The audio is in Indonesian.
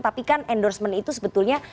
tapi kan endorsement itu sebetulnya